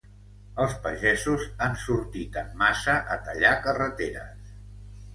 Els pagesos han sortit en massa a tallar carreteres.